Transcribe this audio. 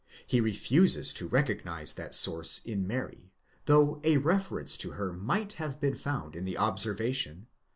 He refuses to recognize that source in Mary, though a reference to her might have been found in the observation, v.